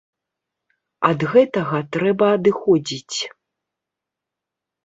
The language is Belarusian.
Ад гэтага трэба адыходзіць.